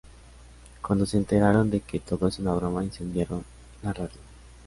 Cuando se enteraron de que todo es una broma, incendiaron la Radio.